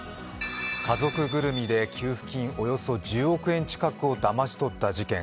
家族ぐるみで給付金およそ１０億円近くをだまし取った事件。